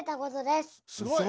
すごい。